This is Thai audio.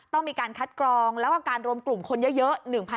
ต้องมีการคัดกรองแล้วก็การรวมกลุ่มคนเยอะ